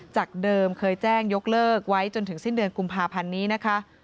จากเดิมเคยแจ้งยกเลิกไว้จนถึงสิ้นเดือนกุมภาพันธ์นี้นะคะ